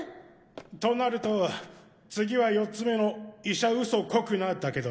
となると次は４つ目の「医者ウソこくな」だけど。